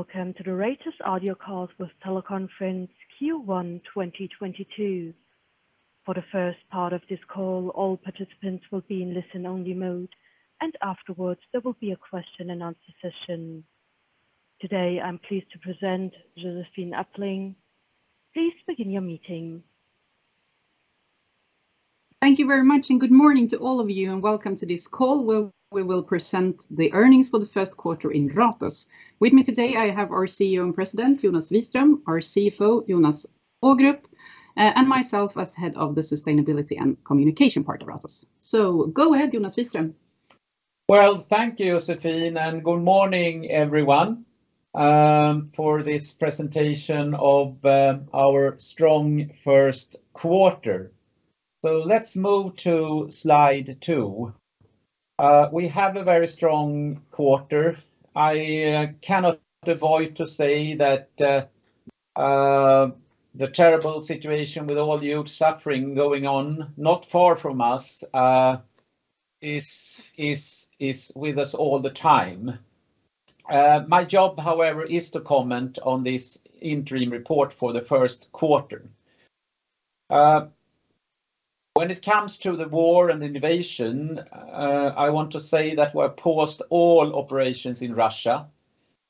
Welcome to the latest audio call with Teleconference Q1 2022. For the first part of this call, all participants will be in listen-only mode, and afterwards there will be a question and answer session. Today, I'm pleased to present Josefine Uppling. Please begin your meeting. Thank you very much, and good morning to all of you and welcome to this call where we will present the earnings for the first quarter in Ratos. With me today, I have our CEO and President, Jonas Wiström, our CFO, Jonas Ågrup, and myself as head of the sustainability and communication part of Ratos. Go ahead, Jonas Wiström. Well, thank you, Josefine, and good morning, everyone, for this presentation of our strong first quarter. Let's move to slide two. We have a very strong quarter. I cannot avoid to say that the terrible situation with all the suffering going on not far from us is with us all the time. My job, however, is to comment on this interim report for the first quarter. When it comes to the war and invasion, I want to say that we've paused all operations in Russia.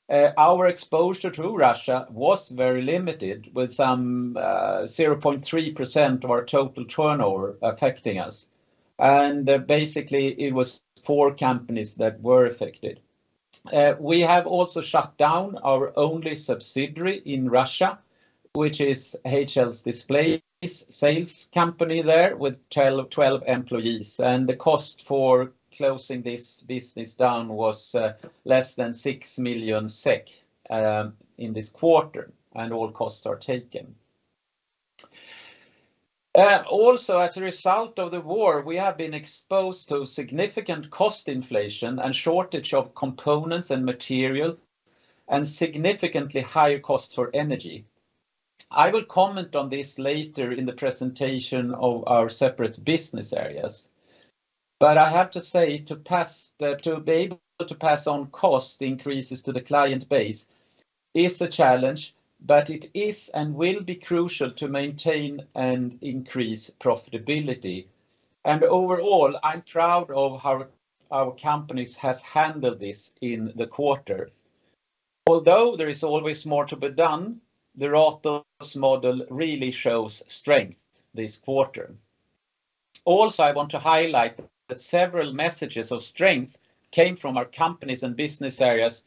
Our exposure to Russia was very limited with some 0.3% of our total turnover affecting us, and basically it was companies that were affected. We have also shut down our only subsidiary in Russia, which is HL Display's sales company there with 12 employees, and the cost for closing this business down was less than 6 million SEK in this quarter, and all costs are taken. Also as a result of the war, we have been exposed to significant cost inflation and shortage of components and material and significantly higher costs for energy. I will comment on this later in the presentation of our separate business areas. I have to say to be able to pass on cost increases to the client base is a challenge, but it is and will be crucial to maintain and increase profitability. Overall, I'm proud of how our companies has handled this in the quarter. Although there is always more to be done, the Ratos model really shows strength this quarter. Also, I want to highlight that several messages of strength came from our companies and business areas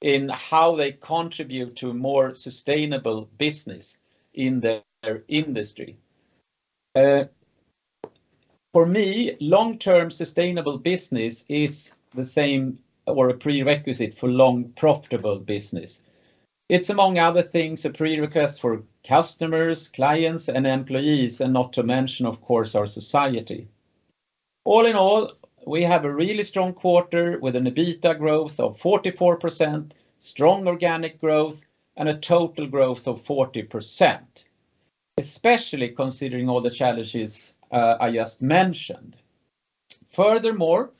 in how they contribute to more sustainable business in their industry. For me, long-term sustainable business is the same or a prerequisite for long profitable business. It's among other things, a prerequisite for customers, clients, and employees, and not to mention, of course, our society. All in all, we have a really strong quarter with an EBITDA growth of 44%, strong organic growth, and a total growth of 40%, especially considering all the challenges I just mentioned. Furthermore,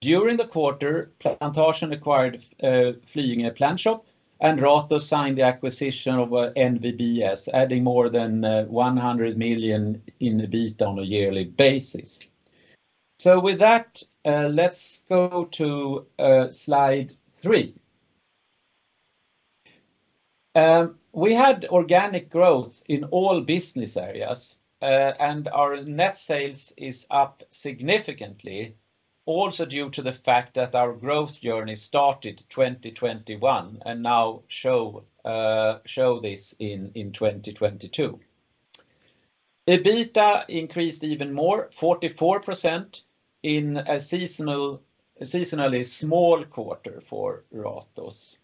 during the quarter, Plantasjen acquired Flyinge Plantshop, and Ratos signed the acquisition of NVBS, adding more than 100 million in EBITDA on a yearly basis. Let's go to slide three. We had organic growth in all business areas, and our net sales is up significantly also due to the fact that our growth journey started 2021 and now show this in 2022. EBITDA increased even more, 44% in a seasonally small quarter for Ratos.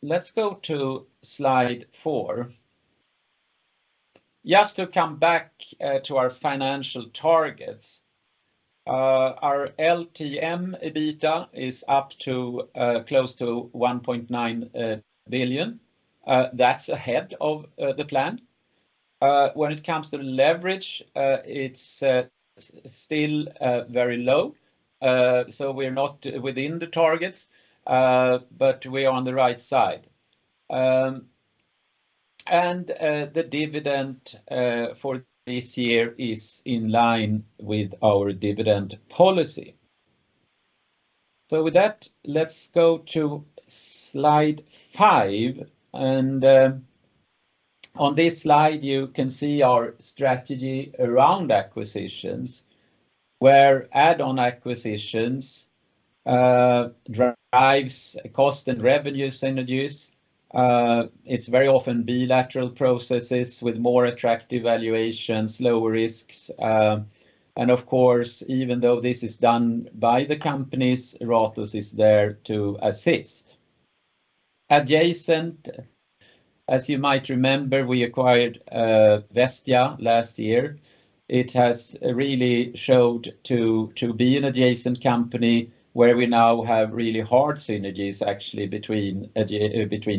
Let's go to slide four. Just to come back to our financial targets, our LTM EBITDA is up to close to 1.9 billion. That's ahead of the plan. When it comes to leverage, it's still very low. We're not within the targets, but we are on the right side. The dividend for this year is in line with our dividend policy. With that, let's go to slide five. On this slide, you can see our strategy around acquisitions, where add-on acquisitions drives cost and revenue synergies. It's very often bilateral processes with more attractive valuations, lower risks. Of course, even though this is done by the companies, Ratos is there to assist. Adjacent, as you might remember, we acquired Vestia last year. It has really showed to be an adjacent company where we now have really hard synergies actually between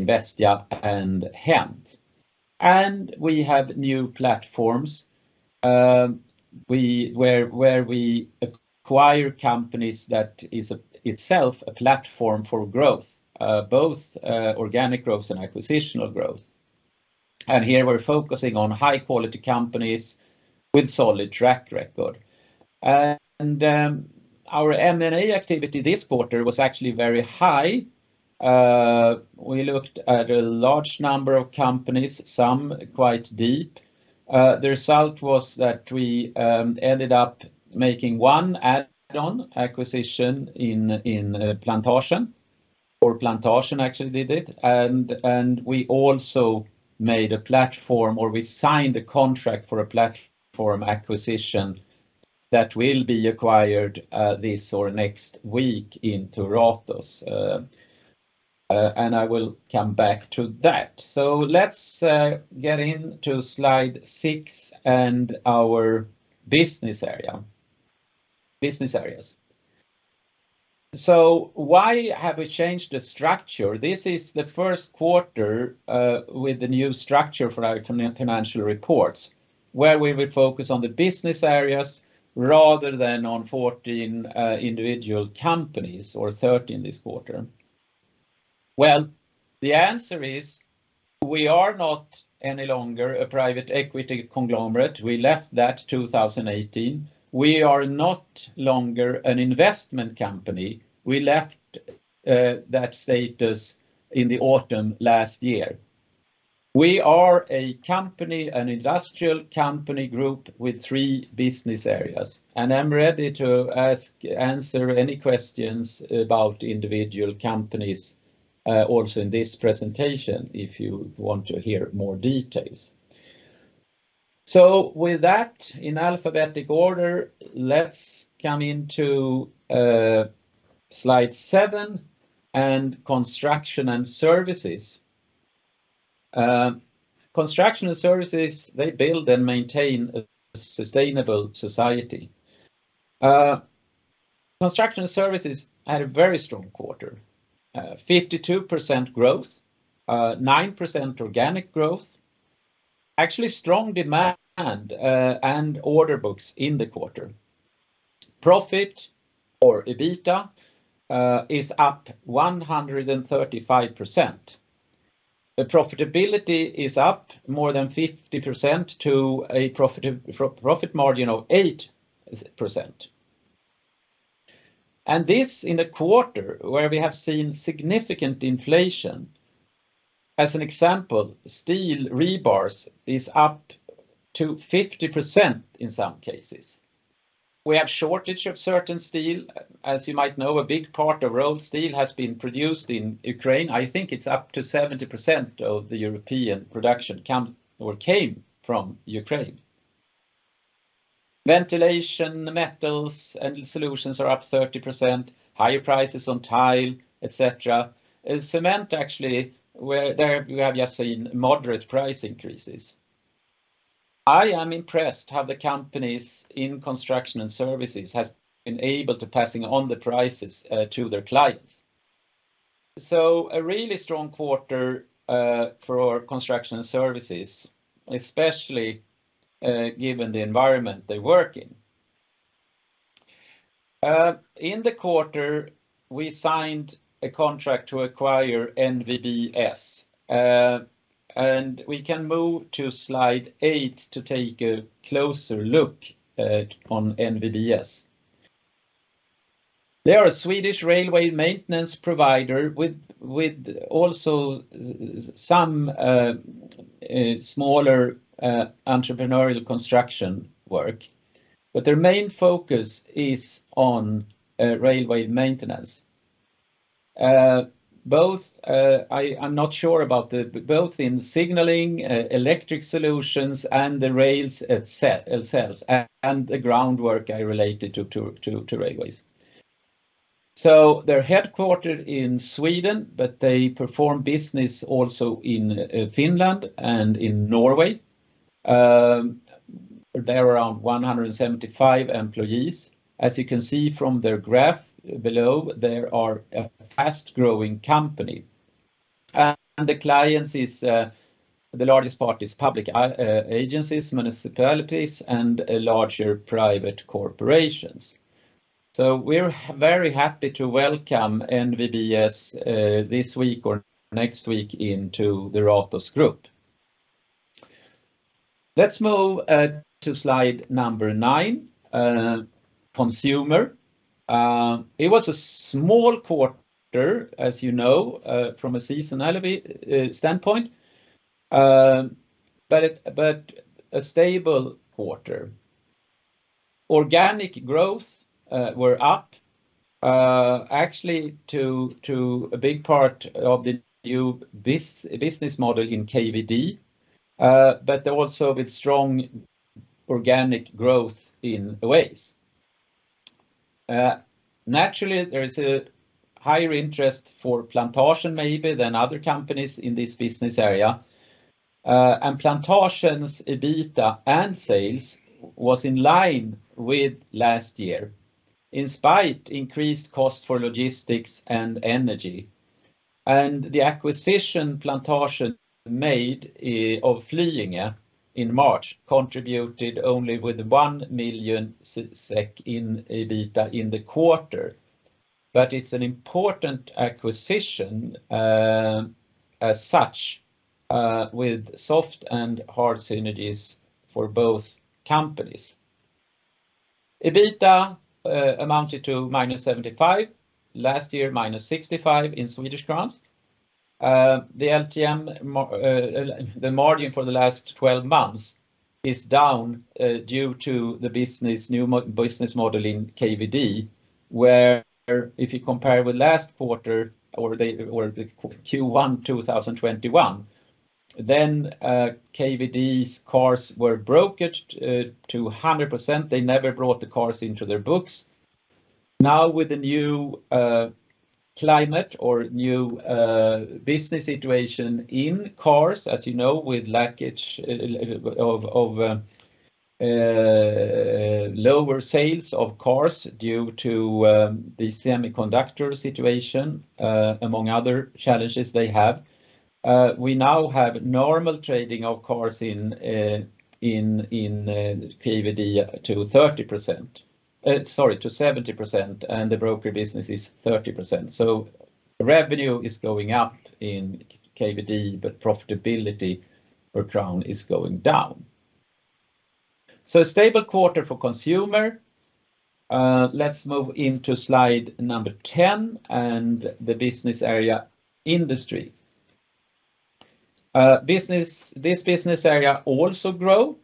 Vestia and HENT. We have new platforms, where we acquire companies that is itself a platform for growth, both organic growth and acquisitional growth. Here we're focusing on high quality companies with solid track record. Our M&A activity this quarter was actually very high. We looked at a large number of companies, some quite deep. The result was that we ended up making one add-on acquisition in Plantasjen, or Plantasjen actually did it. We also made a platform, or we signed a contract for a platform acquisition that will be acquired this or next week into Ratos. I will come back to that. Let's get into slide six and our business areas. Why have we changed the structure? This is the first quarter with the new structure for our financial reports, where we will focus on the business areas rather than on 14 individual companies, or 13 this quarter. Well, the answer is we are no longer a private equity conglomerate. We left that 2018. We are no longer an investment company. We left that status in the autumn last year. We are a company, an industrial company group with three business areas, and I'm ready to answer any questions about individual companies, also in this presentation, if you want to hear more details. With that, in alphabetic order, let's come into slide seven and Construction & Services. Construction & Services, they build and maintain a sustainable society. Construction & Services had a very strong quarter, 52% growth, 9% organic growth. Actually strong demand and order books in the quarter. Profit or EBITDA is up 135%. The profitability is up more than 50% to a profit margin of 8%. This in a quarter where we have seen significant inflation. As an example, steel rebars is up to 50% in some cases. We have shortage of certain steel. As you might know, a big part of raw steel has been produced in Ukraine. I think it's up to 70% of the European production comes or came from Ukraine. Ventilation, metals, and solutions are up 30%, higher prices on tile, et cetera. In cement actually, where there we have just seen moderate price increases. I am impressed how the companies in Construction & Services has been able to passing on the prices to their clients. A really strong quarter for our Construction & Services, especially, given the environment they work in. In the quarter, we signed a contract to acquire NVBS, and we can move to slide eight to take a closer look on NVBS. They are a Swedish railway maintenance provider with also some smaller entrepreneurial construction work, but their main focus is on railway maintenance. Both, I'm not sure about both in signaling, electric solutions, and the rails themselves and the groundwork are related to railways. They're headquartered in Sweden, but they perform business also in Finland and in Norway. They're around 175 employees. As you can see from their graph below, they are a fast-growing company, and the clients is the largest part is public agencies, municipalities, and larger private corporations. We're very happy to welcome NVBS this week or next week into the Ratos group. Let's move to slide number nine, Consumer. It was a small quarter, as you know, from a seasonality standpoint, but a stable quarter. Organic growth were up actually to a big part of the new business model in KVD but also with strong organic growth in Oase. Naturally, there is a higher interest for Plantasjen maybe than other companies in this business area. Plantasjen's EBITDA and sales was in line with last year in spite of increased costs for logistics and energy. The acquisition Plantasjen made of Flyinge in March contributed only with 1 million SEK in EBITDA in the quarter. It's an important acquisition, as such, with soft and hard synergies for both companies. EBITDA amounted to -75, last year -65 in Swedish crowns. The LTM margin for the last 12 months is down due to the new business model in KVD, where if you compare with last quarter or the Q1 2021, then KVD's cars were brokered to 100%. They never brought the cars into their books. Now, with the new climate or new business situation in cars, as you know, with lower sales of cars due to the semiconductor situation among other challenges they have, we now have normal trading of cars in KVD to 70%, and the broker business is 30%. Revenue is going up in KVD, but profitability per crown is going down. A stable quarter for consumer. Let's move into slide number 10 and the business area industry. This business area also grow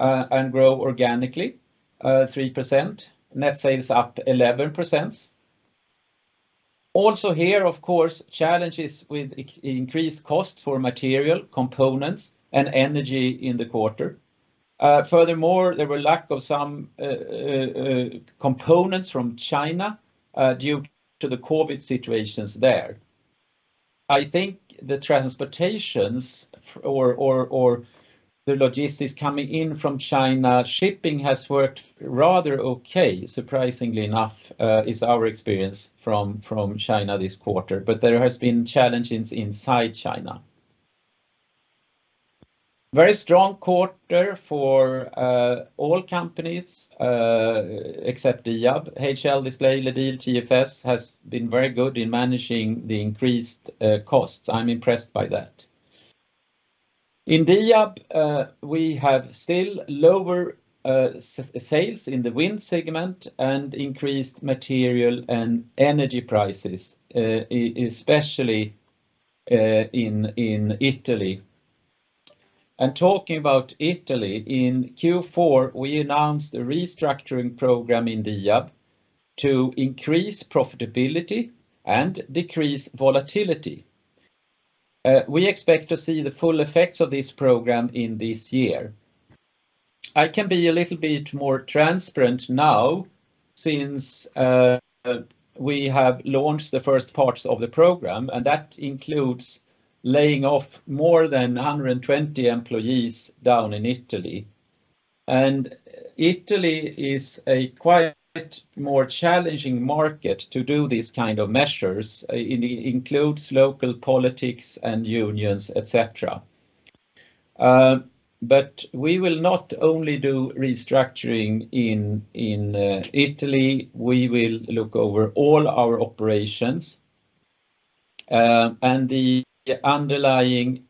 and grow organically 3%. Net sales up 11%. Also here, of course, challenges with increased costs for material, components, and energy in the quarter. Furthermore, there were lack of some components from China due to the COVID situations there. I think the transportations or the logistics coming in from China, shipping has worked rather okay, surprisingly enough, is our experience from China this quarter, but there has been challenges inside China. Very strong quarter for all companies except Diab. HL Display, LEDiL, TFS has been very good in managing the increased costs. I'm impressed by that. In Diab, we have still lower sales in the wind segment and increased material and energy prices, especially in Italy. Talking about Italy, in Q4, we announced a restructuring program in Diab to increase profitability and decrease volatility. We expect to see the full effects of this program in this year. I can be a little bit more transparent now since we have launched the first parts of the program, and that includes laying off more than 120 employees down in Italy. Italy is a quite more challenging market to do these kind of measures, including local politics and unions, et cetera. We will not only do restructuring in Italy, we will look over all our operations. The underlying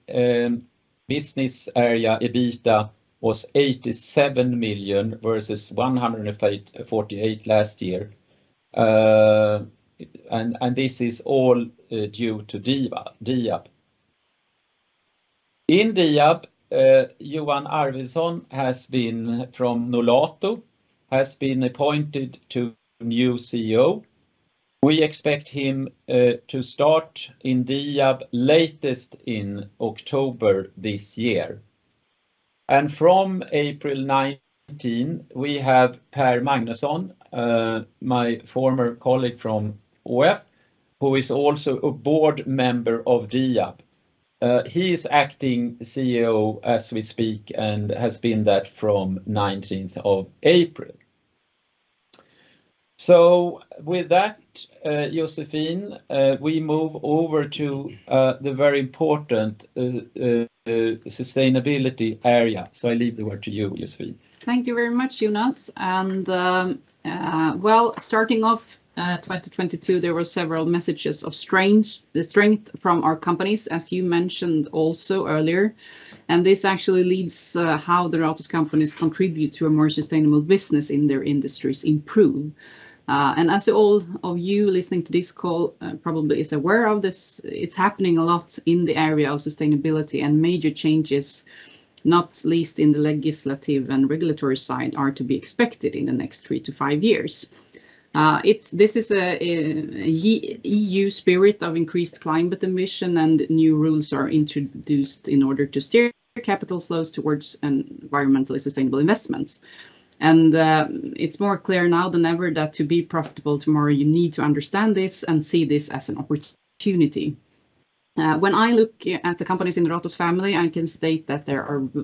business area EBITDA was 87 million versus 148 million last year. This is all due to Diab. In Diab, Johan Arvidsson from Nolato has been appointed new CEO. We expect him to start in Diab latest in October this year. From April 19th, we have Per Magnusson, my former colleague from ÅF, who is also a board member of Diab. He is acting CEO as we speak and has been that from 19th of April. With that, Josefine, we move over to the very important sustainability area. I leave the word to you, Josefine. Thank you very much, Jonas. Well, starting off, 2022, there were several messages of strength from our companies, as you mentioned also earlier. This actually leads how the Ratos companies contribute to a more sustainable business in their industries improve. As all of you listening to this call probably is aware of this, it's happening a lot in the area of sustainability and major changes, not least in the legislative and regulatory side, are to be expected in the next three to five years. This is a EU spirit of increased climate emission and new rules are introduced in order to steer capital flows towards an environmentally sustainable investments. It's more clear now than ever that to be profitable tomorrow, you need to understand this and see this as an opportunity. When I look at the companies in the Ratos family, I can state that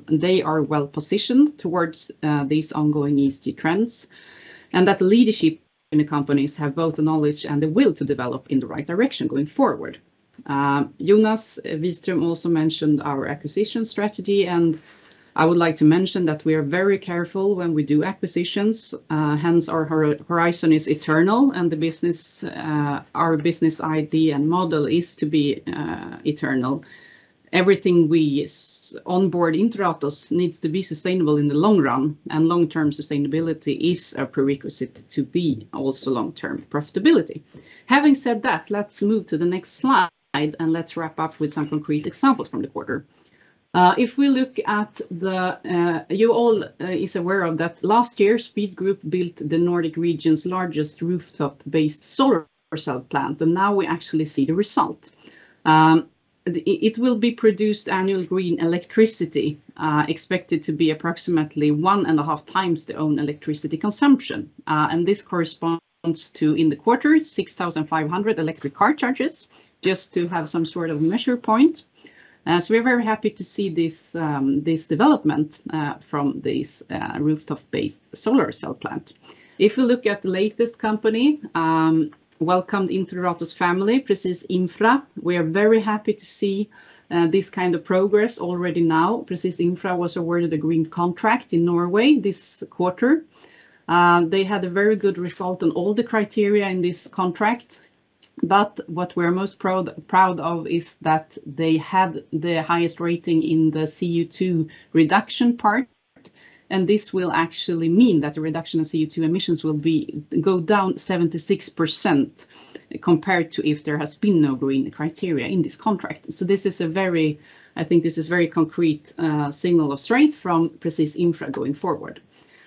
they are well-positioned towards these ongoing ESG trends, and that leadership in the companies have both the knowledge and the will to develop in the right direction going forward. Jonas Wiström also mentioned our acquisition strategy, and I would like to mention that we are very careful when we do acquisitions. Hence our horizon is eternal and the business, our business idea and model is to be eternal. Everything we onboard into Ratos needs to be sustainable in the long run, and long-term sustainability is a prerequisite to be also long-term profitability. Having said that, let's move to the next slide, and let's wrap up with some concrete examples from the quarter. If we look at, you all is aware of that last year, Speed Group built the Nordic region's largest rooftop-based solar cell plant, and now we actually see the result. It will produce annual green electricity expected to be approximately 1.5x their own electricity consumption, and this corresponds to, in the quarter, 6,500 electric car charges, just to have some sort of measure point. We're very happy to see this development from this rooftop-based solar cell plant. If we look at the latest company welcomed into Ratos's family, Presis Infra, we are very happy to see this kind of progress already now. Presis Infra was awarded a green contract in Norway this quarter. They had a very good result on all the criteria in this contract, but what we're most proud of is that they had the highest rating in the CO2 reduction part, and this will actually mean that the reduction of CO2 emissions will go down 76% compared to if there has been no green criteria in this contract. I think this is very concrete signal of strength from Presis Infra going forward.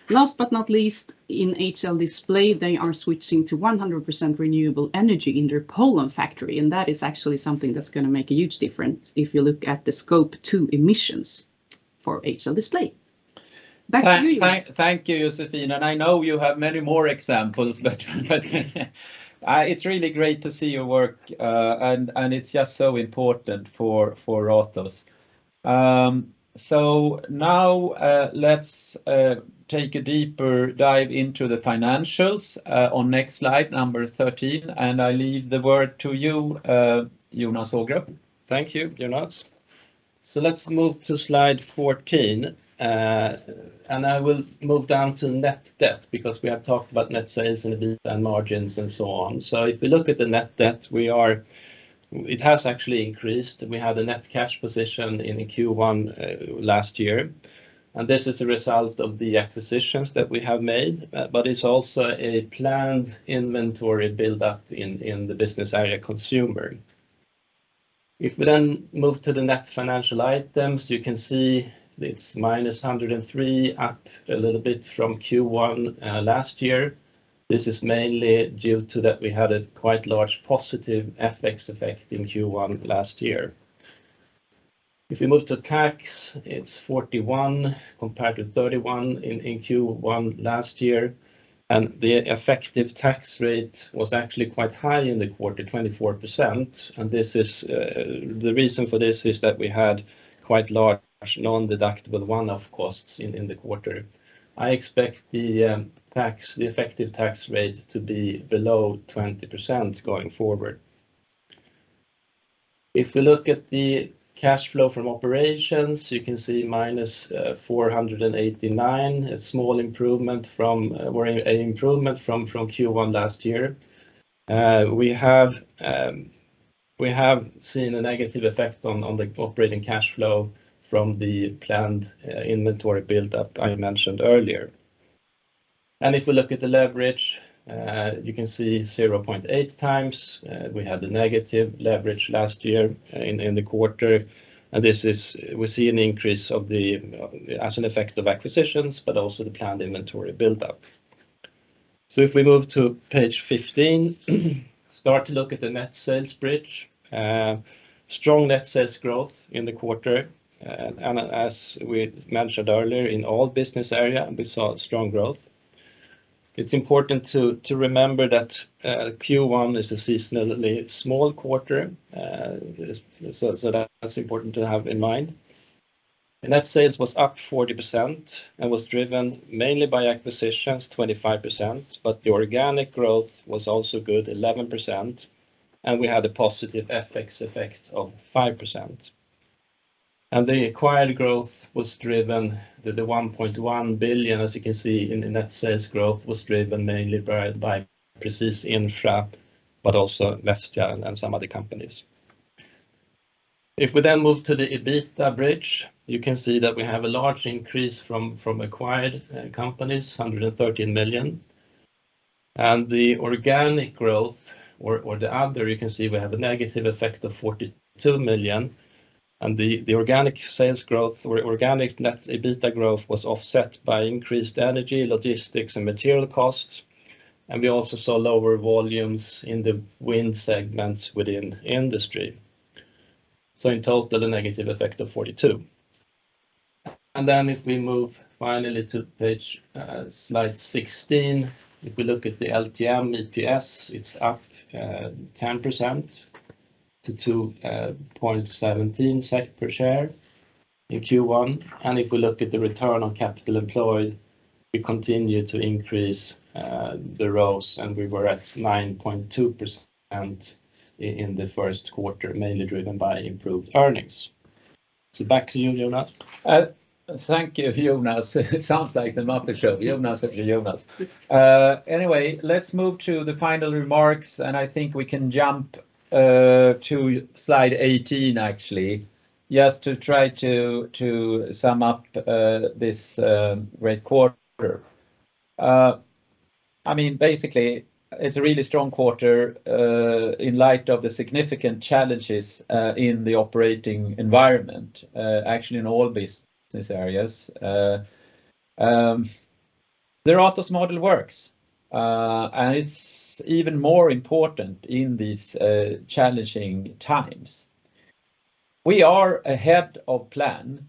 Last but not least, in HL Display, they are switching to 100% renewable energy in their Poland factory, and that is actually something that's gonna make a huge difference if you look at the Scope 2 emissions for HL Display. Back to you, Jonas. Thank you, Josefine, and I know you have many more examples, but it's really great to see your work, and it's just so important for Ratos. Now, let's take a deeper dive into the financials on next slide, number 13, and I leave the word to you, Jonas Ågrup. Thank you, Jonas. Let's move to slide 14. I will move down to net debt, because we have talked about net sales and EBIT and margins and so on. If we look at the net debt, it has actually increased. We had a net cash position in Q1 last year, and this is a result of the acquisitions that we have made, but it's also a planned inventory build-up in the business area consumer. If we then move to the net financial items, you can see it's -103, up a little bit from Q1 last year. This is mainly due to that we had a quite large positive FX effect in Q1 last year. If we move to tax, it's 41 compared to 31 in Q1 last year, and the effective tax rate was actually quite high in the quarter, 24%, and this is. The reason for this is that we had quite large non-deductible one-off costs in the quarter. I expect the tax, the effective tax rate to be below 20% going forward. If we look at the cash flow from operations, you can see -489, a small improvement from Q1 last year. We have seen a negative effect on the operating cash flow from the planned inventory build-up I mentioned earlier. If we look at the leverage, you can see 0.8x. We had a negative leverage last year in the quarter, and this is we see an increase of the as an effect of acquisitions, but also the planned inventory build-up. If we move to page 15, start to look at the net sales bridge. Strong net sales growth in the quarter, and as we mentioned earlier, in all business area we saw strong growth. It's important to remember that Q1 is a seasonally small quarter. That's important to have in mind. Net sales was up 40% and was driven mainly by acquisitions, 25%, but the organic growth was also good, 11%, and we had a positive FX effect of 5%. The acquired growth was driven, the 1.1 billion, as you can see in the net sales growth, was driven mainly by Presis Infra, but also Vestia and some other companies. If we move to the EBITDA bridge, you can see that we have a large increase from acquired companies, 113 million. The organic growth or the other, you can see we have a negative effect of 42 million, and the organic sales growth or organic net EBITDA growth was offset by increased energy, logistics, and material costs, and we also saw lower volumes in the wind segments within industry. In total, a negative effect of 42. Then if we move finally to page slide 16, if we look at the LTM EPS, it's up 10% to 2.17 SEK per share in Q1. If we look at the return on capital employed, we continue to increase the ROCE, and we were at 9.2% in the first quarter, mainly driven by improved earnings. Back to you, Jonas. Thank you, Jonas. It sounds like The Muppet Show, Jonas after Jonas. Anyway, let's move to the final remarks, and I think we can jump to slide 18 actually, just to try to sum up this great quarter. I mean, basically it's a really strong quarter in light of the significant challenges in the operating environment actually in all business areas. The Ratos model works, and it's even more important in these challenging times. We are ahead of plan,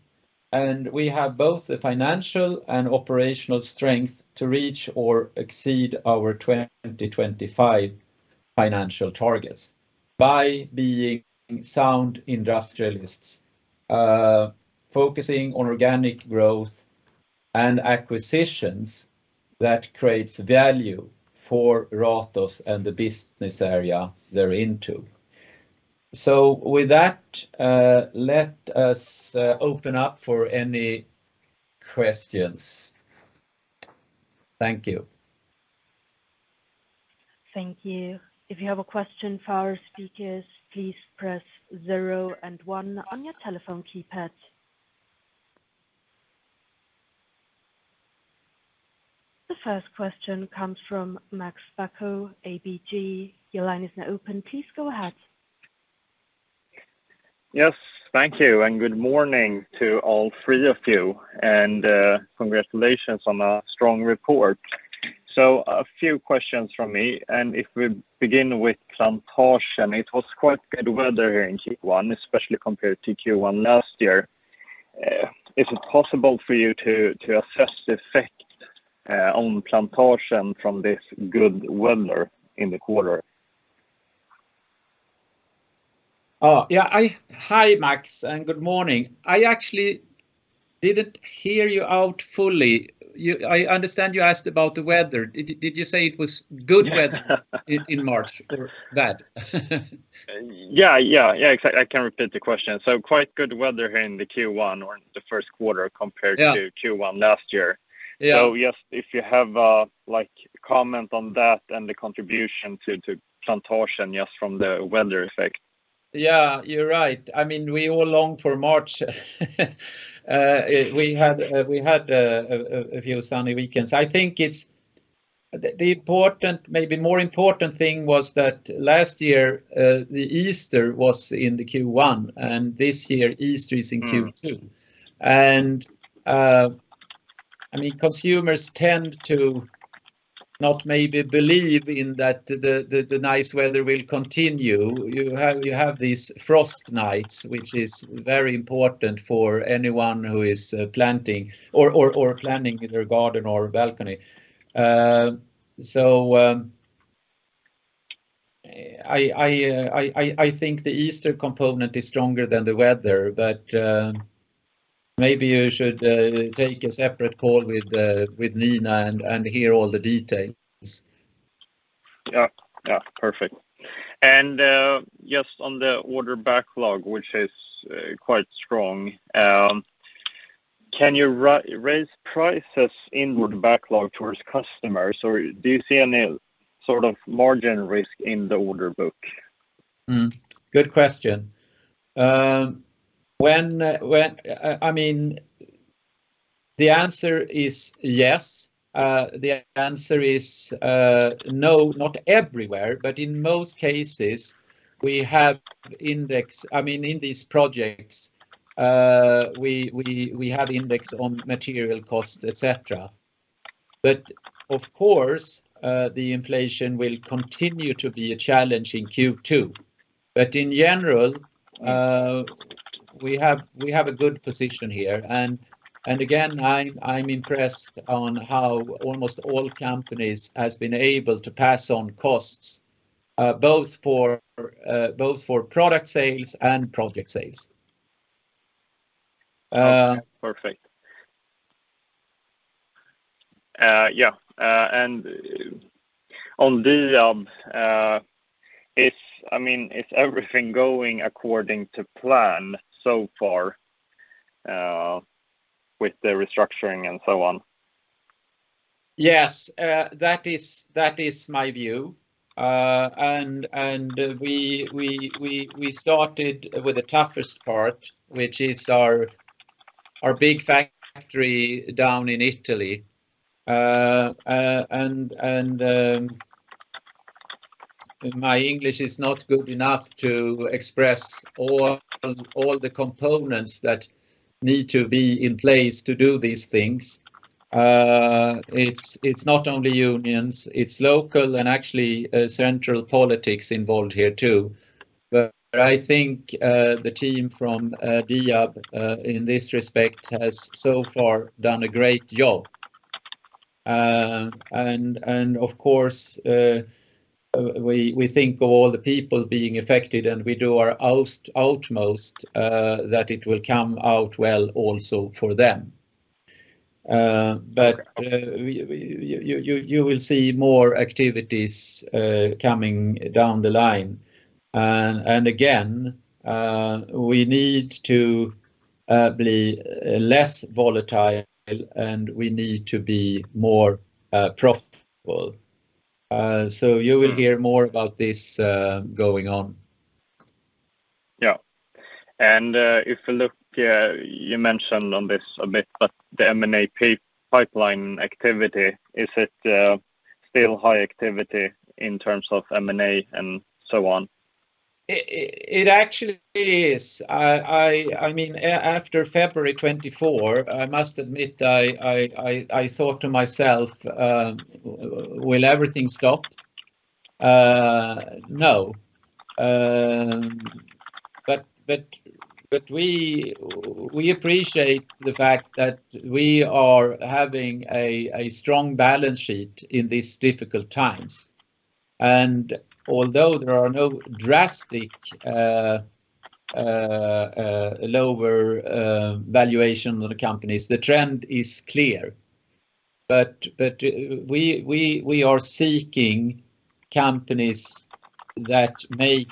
and we have both the financial and operational strength to reach or exceed our 2025 financial targets by being sound industrialists focusing on organic growth and acquisitions that creates value for Ratos and the business area they're into. With that, let us open up for any questions. Thank you. Thank you. If you have a question for our speakers, please press zero and one on your telephone keypad. The first question comes from Max Bacco, ABG. Your line is now open. Please go ahead. Yes, thank you, and good morning to all three of you, and, congratulations on a strong report. A few questions from me, and if we begin with Plantasjen, it was quite good weather here in Q1, especially compared to Q1 last year. Is it possible for you to assess the effect on Plantasjen from this good weather in the quarter? Hi, Max, and good morning. I actually didn't hear you out fully. I understand you asked about the weather. Did you say it was good weather in March or bad? Yeah, I can repeat the question. Quite good weather here in Q1 or in the first quarter compared to. Yeah Q1 last year. Yeah. Just if you have a, like, comment on that and the contribution to Plantasjen just from the weather effect. Yeah, you're right. I mean, we all longed for March. We had a few sunny weekends. I think the important, maybe more important thing was that last year, the Easter was in Q1, and this year Easter is in Q2. Mm. I mean, consumers tend to not maybe believe in that the nice weather will continue. You have these frost nights, which is very important for anyone who is planting or planning their garden or balcony. I think the Easter component is stronger than the weather, maybe you should take a separate call with Nina and hear all the details. Just on the order backlog, which is quite strong, can you raise prices in the backlog towards customers, or do you see any sort of margin risk in the order book? Good question. I mean, the answer is yes. The answer is no, not everywhere, but in most cases, I mean, in these projects, we have index on material cost, et cetera. Of course, the inflation will continue to be a challenge in Q2. In general, we have a good position here. Again, I'm impressed on how almost all companies has been able to pass on costs, both for product sales and project sales. I mean, is everything going according to plan so far with the restructuring and so on? Yes. That is my view. We started with the toughest part, which is our big factory down in Italy. My English is not good enough to express all the components that need to be in place to do these things. It's not only unions, it's local and actually central politics involved here too. I think the team from Diab in this respect has so far done a great job. Of course, we think of all the people being affected, and we do our utmost that it will come out well also for them. You will see more activities coming down the line. We need to be less volatile, and we need to be more profitable. You will hear more about this going on. Yeah. If you look, you mentioned on this a bit, but the M&A pipeline activity, is it still high activity in terms of M&A and so on? It actually is. I mean, after February 2024, I must admit, I thought to myself, will everything stop? No. We appreciate the fact that we are having a strong balance sheet in these difficult times. Although there are no drastic lower valuation on the companies, the trend is clear. We are seeking companies that make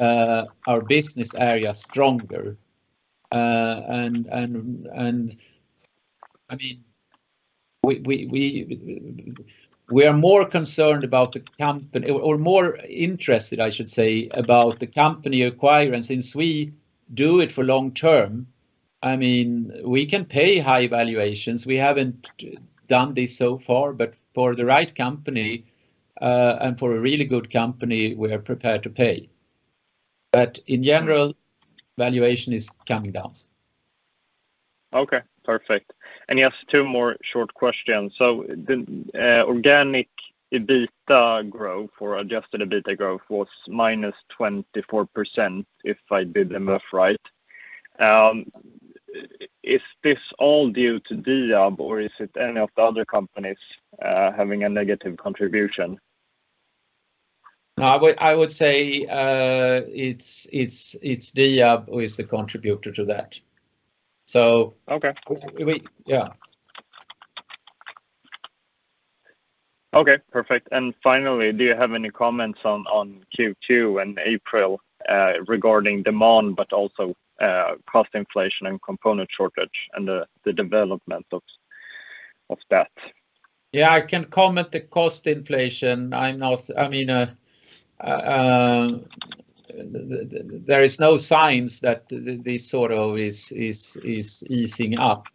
our business area stronger. I mean, we are more concerned about the company or more interested, I should say, about the company acquire and since we do it for long term, I mean, we can pay high valuations. We haven't done this so far, but for the right company, and for a really good company, we are prepared to pay. In general, valuation is coming down. Okay, perfect. Just two more short questions. The organic EBITDA growth or adjusted EBITDA growth was -24%, if I did the math right. Is this all due to Diab or is it any of the other companies having a negative contribution? No, I would say it's Diab who is the contributor to that. So- Okay We yeah. Okay, perfect. Finally, do you have any comments on Q2 and April regarding demand, but also cost inflation and component shortage and the development of that? Yeah, I can comment on the cost inflation. I mean, there is no signs that this sort of is easing up.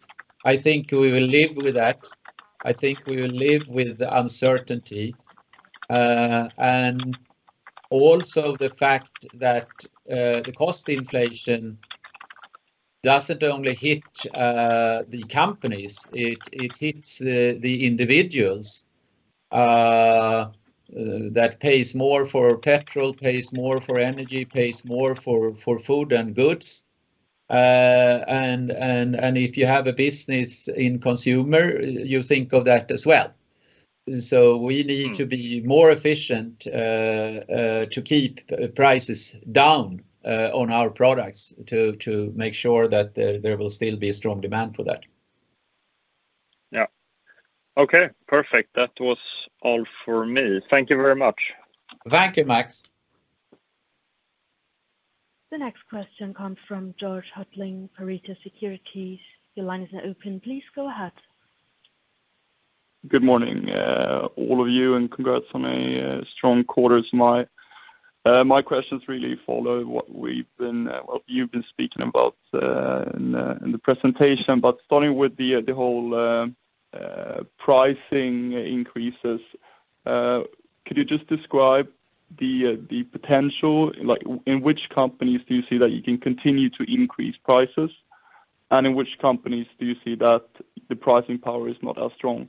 I think we will live with that. I think we will live with the uncertainty. Also the fact that the cost inflation doesn't only hit the companies, it hits the individuals that pays more for petrol, pays more for energy, pays more for food and goods. And if you have a business in consumer, you think of that as well. We need- Mm to be more efficient, to keep prices down on our products to make sure that there will still be a strong demand for that. Yeah. Okay, perfect. That was all for me. Thank you very much. Thank you, Max. The next question comes from Georg Attling, Pareto Securities. Your line is now open. Please go ahead. Good morning, all of you, and congrats on a strong quarter. My questions really follow what you've been speaking about in the presentation. Starting with the whole pricing increases, could you just describe the potential? Like, in which companies do you see that you can continue to increase prices, and in which companies do you see that the pricing power is not as strong?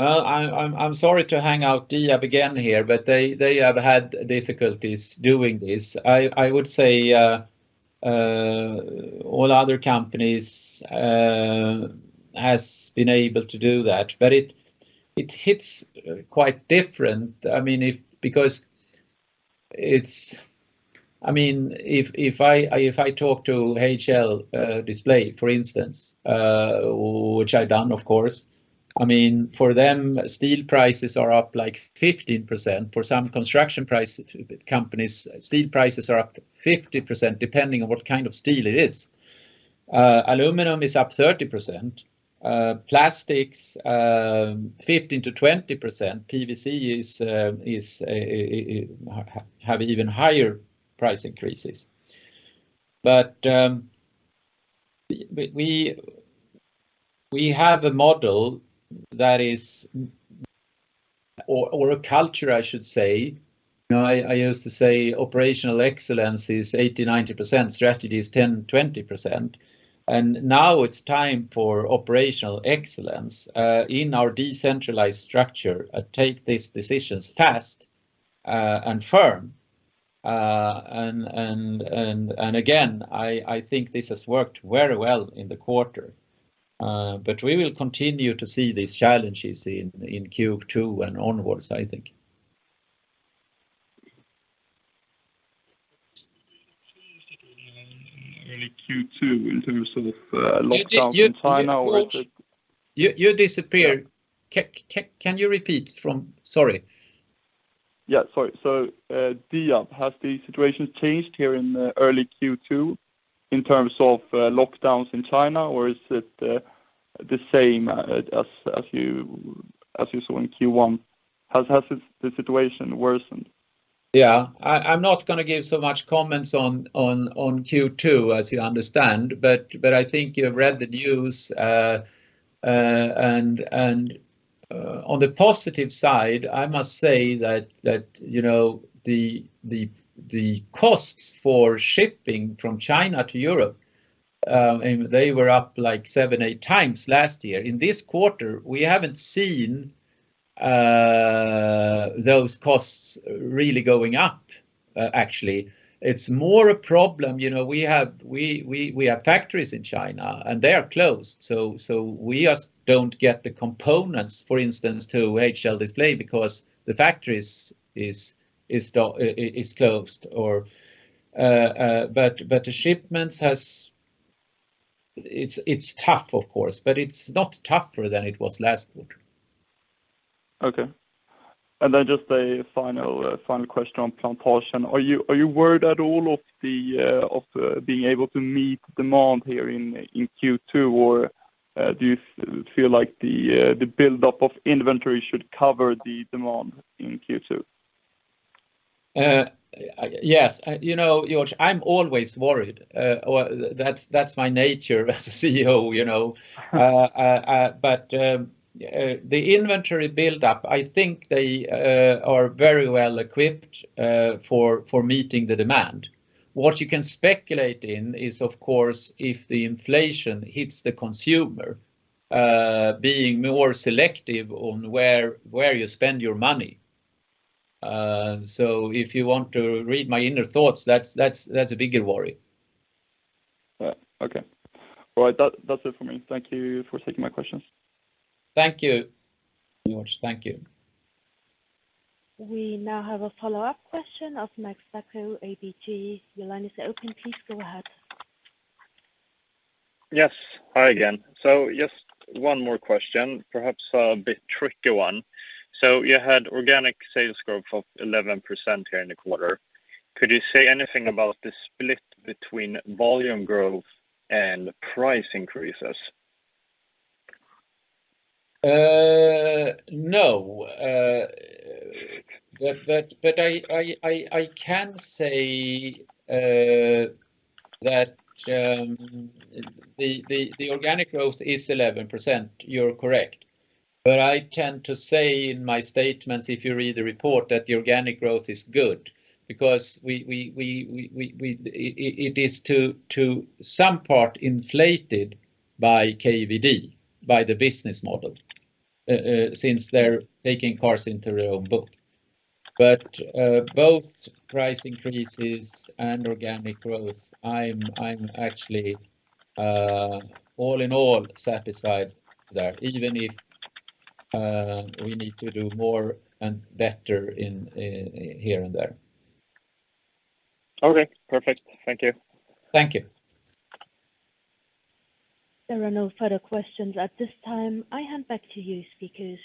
I'm sorry to bring up Diab again here, but they have had difficulties doing this. I would say all other companies have been able to do that. It hits quite different. I mean, if I talk to HL Display, for instance, which I've done, of course, I mean, for them, steel prices are up, like, 15%. For some construction companies, steel prices are up to 50%, depending on what kind of steel it is. Aluminum is up 30%. Plastics, 15%-20%. PVC has even higher price increases. We have a model that is, or a culture, I should say. You know, I used to say operational excellence is 80%-90%. Strategy is 10%-20%. Now it's time for operational excellence in our decentralized structure, take these decisions fast and firm. Again, I think this has worked very well in the quarter. We will continue to see these challenges in Q2 and onwards, I think. Early Q2 in terms of lockdown from China or is it? You disappeared. Yeah. Sorry. Yeah, sorry. Diab, has the situation changed here in early Q2 in terms of lockdowns in China, or is it the same as you saw in Q1? Has the situation worsened? Yeah. I'm not gonna give so much comments on Q2, as you understand, but I think you have read the news. On the positive side, I must say that, you know, the costs for shipping from China to Europe, and they were up like seven-eight times last year. In this quarter, we haven't seen those costs really going up, actually. It's more a problem, you know, we have factories in China and they are closed. We just don't get the components, for instance, to HL Display because the factories is closed. It's tough of course, but it's not tougher than it was last quarter. Okay. Just a final question on Plantasjen. Are you worried at all of being able to meet demand here in Q2, or do you feel like the buildup of inventory should cover the demand in Q2? Yes. You know, Georg, I'm always worried. That's my nature as a CEO, you know? The inventory buildup, I think they are very well equipped for meeting the demand. What you can speculate in is, of course, if the inflation hits the consumer, being more selective on where you spend your money. If you want to read my inner thoughts, that's a bigger worry. Right. Okay. All right. That, that's it for me. Thank you for taking my questions. Thank you, Georg. Thank you. We now have a follow-up question of Max Bacco, ABG. Your line is open. Please go ahead. Yes. Hi again. Just one more question, perhaps a bit tricky one. You had organic sales growth of 11% here in the quarter. Could you say anything about the split between volume growth and price increases? No. I can say that the organic growth is 11%. You're correct. I tend to say in my statements, if you read the report, that the organic growth is good because it is to some part inflated by KVD, by the business model, since they're taking cars into their own book. Both price increases and organic growth, I'm actually all in all satisfied there, even if we need to do more and better in here and there. Okay. Perfect. Thank you. Thank you. There are no further questions at this time. I hand back to you speakers.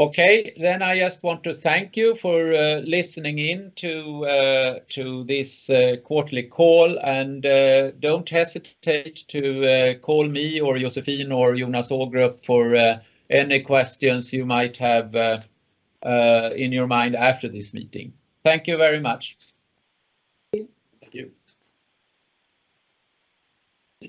Okay. I just want to thank you for listening in to this quarterly call, and don't hesitate to call me or Josefine or Jonas Ågrup for any questions you might have in your mind after this meeting. Thank you very much. Thank you.